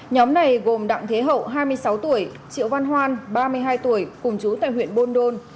nhóm này gồm đặng thế hậu hai mươi sáu tuổi triệu văn hoan ba mươi hai tuổi cùng chú tại huyện buôn đôn